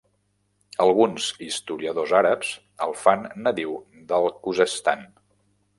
Alguns historiadors àrabs el fan nadiu del Khuzestan.